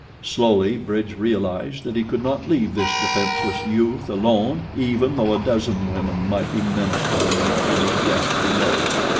Slowly Bridge realized that he could not leave this defenseless youth alone even though a dozen women might be menaced by the uncanny death below.